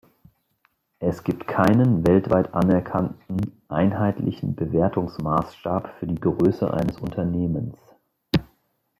Es gibt keinen weltweit anerkannten einheitlichen Bewertungsmaßstab für die Größe eines Unternehmens.